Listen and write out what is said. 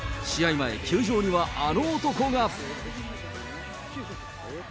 前、球場にはあの男が。